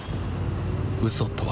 嘘とは